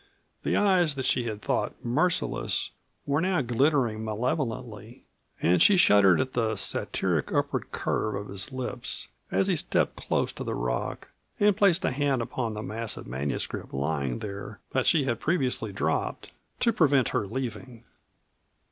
The eyes that she had thought merciless were now glittering malevolently, and she shuddered at the satyric upward curve of his lips as he stepped close to the rock and placed a hand upon the mass of manuscript lying there, that she had previously dropped, to prevent her leaving.